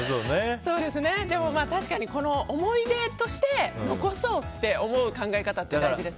でも確かに、思い出として残そうって思う考え方大事ですね。